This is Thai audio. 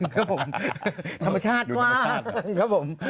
ครับผมธรรมชาติกว่ากรูธรรมชาติ